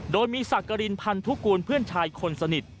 โดยมีสักกรินพันธุกูลเพื่อนชายคนสนิท